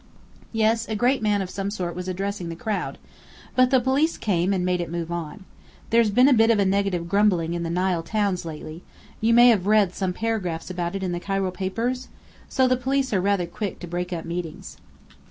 "Yes, a great man of some sort was addressing the crowd. But the police came along and made it move on. There's been a bit of native grumbling in these Nile towns lately you may have read some paragraph about it in the Cairo papers? So the police are rather quick to break up meetings."